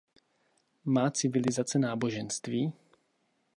Má civilizace náboženství?